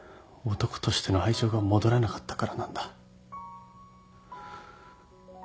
男としての愛情が戻らなかったからなんだ。